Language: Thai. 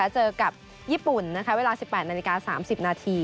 เจอกับญี่ปุ่นเวลา๑๘นาฬิกา๓๐นาที